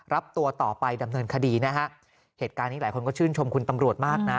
รับตัวต่อไปดำเนินคดีนะฮะเหตุการณ์นี้หลายคนก็ชื่นชมคุณตำรวจมากนะ